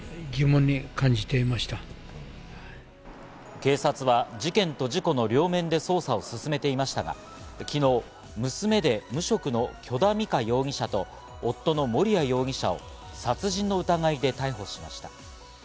警察は事件と事故の両面で捜査を進めていましたが、昨日、娘で無職の許田美香容疑者と夫の盛哉容疑者を殺人の疑いで逮捕しました。